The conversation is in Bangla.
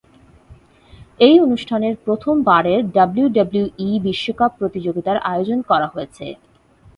এই অনুষ্ঠানের প্রথম বারের ডাব্লিউডাব্লিউই বিশ্বকাপ প্রতিযোগিতার আয়োজন করা হয়েছে।